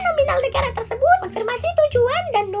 nominal negara tersebut konfirmasi tujuan dan